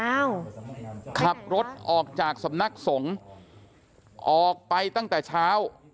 อ้าวขับรถออกจากสำนักสงฆ์ออกไปตั้งแต่เช้า